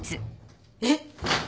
えっ！？